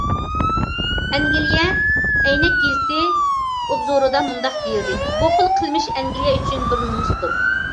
ئەنگلىيە« ئەينەك گېزىتى» ئوبزورىدا مۇنداق دېيىلدى: بۇ خىل قىلمىش ئەنگلىيە ئۈچۈن بىر« نومۇس» دۇر.